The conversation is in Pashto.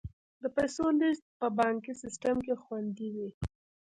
د پیسو لیږد په بانکي سیستم کې خوندي وي.